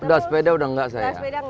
udah sepeda udah enggak saya